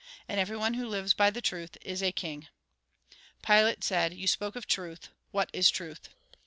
And everyone who lives by the truth, is a king." Pilate said :" You spoke of truth. What is truth